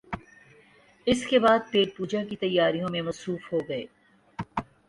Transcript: اس کے بعد پیٹ پوجا کی تیاریوں میں مصروف ہو گئے